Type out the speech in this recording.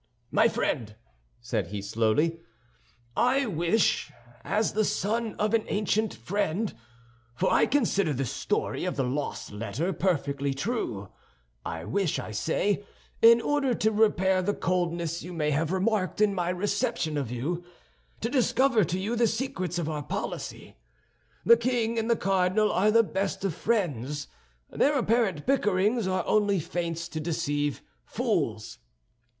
"My friend," said he, slowly, "I wish, as the son of an ancient friend—for I consider this story of the lost letter perfectly true—I wish, I say, in order to repair the coldness you may have remarked in my reception of you, to discover to you the secrets of our policy. The king and the cardinal are the best of friends; their apparent bickerings are only feints to deceive fools.